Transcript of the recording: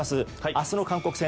明日の韓国戦